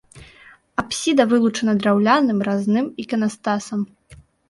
Апсіда вылучана драўляным разным іканастасам.